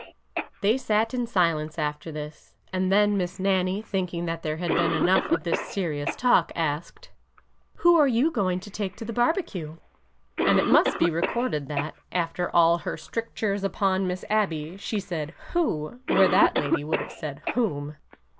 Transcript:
They sat in silence after this, and then Miss Nannie, thinking that there had been enough of this serious talk, asked :'' Who are you going to take to the barbecue ?" And it must be recorded that, after all her strictures upon Miss Abby, she said who where that lady would have said whom.